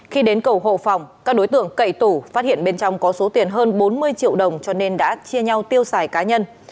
khi đến cầu hộ phòng các đối tượng cậy tủ phát hiện bên trong có số tiền hơn bốn mươi triệu đồng cho nên đã chia nhau tiêu xài cá nhân